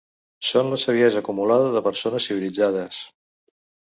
Són la saviesa acumulada de persones civilitzades.